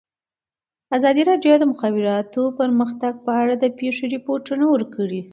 ازادي راډیو د د مخابراتو پرمختګ په اړه د پېښو رپوټونه ورکړي.